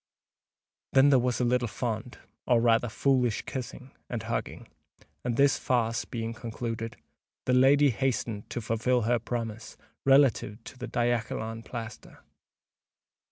Then there was a little fond—or rather foolish kissing and hugging; and this farce being concluded, the lady hastened to fulfil her promise relative to the diachylon plaster.